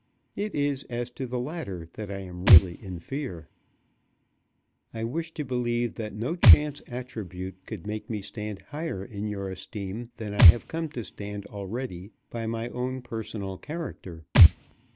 It is as to the latter that I am really in fear. I wish to believe that no chance attribute could make me stand higher in your esteem than I have come to stand already by my own personal character.